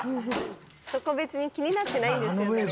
「そこ別に気になってないんですよ